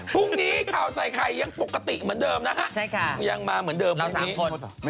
พรุ่งนี้ข่าวใส่ไข่ยังปกติเหมือนเดิมนะฮะพรุ่งนี้ยังมาเหมือนเดิมใช่ค่ะ